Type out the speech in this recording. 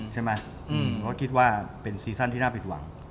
ใช่ไหมเพราะคิดว่าเป็นซีซั่นที่น่าผิดหวัง